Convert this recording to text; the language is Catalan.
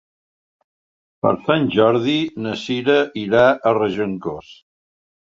Per Sant Jordi na Cira irà a Regencós.